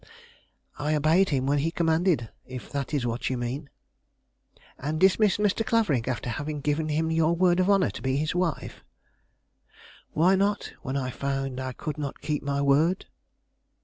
"I obeyed him when he commanded, if that is what you mean." "And dismissed Mr. Clavering after having given him your word of honor to be his wife?" "Why not, when I found I could not keep my word."